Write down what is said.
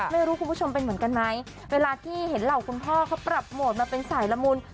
ไม่รู้คุณผู้ชมเป็นเหมือนกันไหมเวลาที่เห็นเหล่าคุณพ่อเขาปรับโหมดมาเป็นสายละมุน